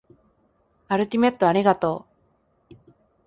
アルティメットありがとう